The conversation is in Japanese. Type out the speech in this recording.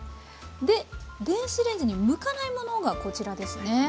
で電子レンジに向かないものがこちらですね。